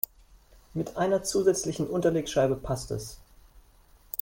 Mit einer zusätzlichen Unterlegscheibe passt es.